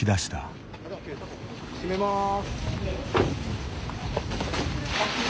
閉めます。